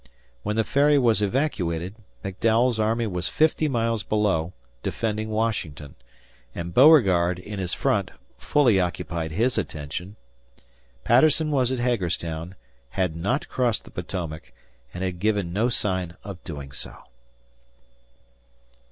When the Ferry was evacuated, McDowell's army was fifty miles below defending Washington, and Beauregard, in his front, fully occupied his attention. Patterson was at Hagerstown, had not crossed the Potomac, and had given no sign of doing so.